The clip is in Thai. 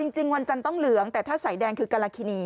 จริงวันจันทร์ต้องเหลืองแต่ถ้าสายแดงคือการาคินี